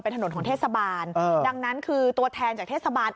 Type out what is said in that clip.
เป็นถนนของเทศบาลดังนั้นคือตัวแทนจากเทศบาล